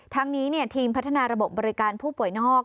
ทั้งนี้ทีมพัฒนาระบบบบริการผู้ป่วยนอก